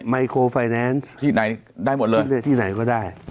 ไมโครไฟแนนซ์ที่ไหนได้หมดเลยที่ไหนก็ได้